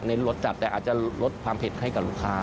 รสจัดแต่อาจจะลดความเผ็ดให้กับลูกค้า